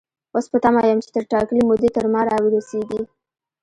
اوس په تمه يم چې تر ټاکلې مودې تر ما را ورسيږي.